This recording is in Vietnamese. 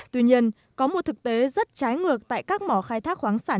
tuy nhiên có một thực tế rất trái ngược tại các mỏ khai thác khoáng sản